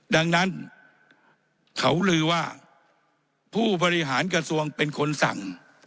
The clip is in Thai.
ดังนั้นเขาลือว่าผู้บริหารกระทรวงเป็นคนสั่ง